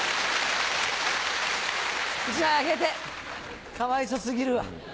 １枚あげてかわいそ過ぎるわ。